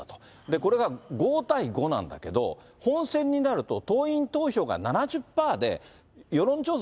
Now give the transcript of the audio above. これが５対５なんだけど、本選になると、党員投票が７０パーで、世論調査